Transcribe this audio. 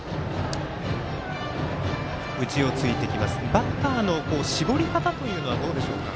バッターの絞り方というのはどうでしょうか。